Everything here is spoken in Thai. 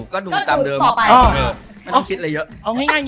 ก็ดูตามดิน